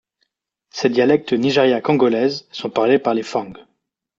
Ses dialectes Nigeria-Congolese sont parlés par les Fangs.